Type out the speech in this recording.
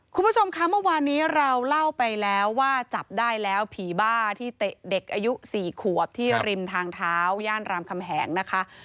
คุณผู้ชมคะเมื่อวานนี้เราเล่าไปแล้วว่าจับได้แล้วผีบ้าที่เตะเด็กอายุ๔ขวบที่ริมทางเท้าย่านรามคำแหงนะคะ